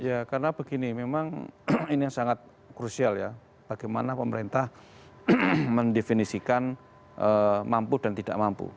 ya karena begini memang ini yang sangat krusial ya bagaimana pemerintah mendefinisikan mampu dan tidak mampu